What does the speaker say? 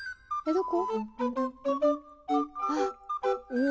どこ？